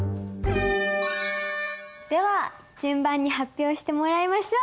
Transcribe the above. では順番に発表してもらいましょう。